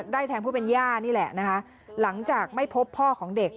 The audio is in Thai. ได้แทงผู้เป็นย่านี่แหละนะคะหลังจากไม่พบพ่อของเด็ก